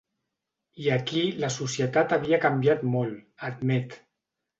I aquí la societat havia canviat molt, admet.